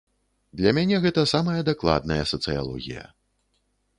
Для мяне гэта самая дакладная сацыялогія.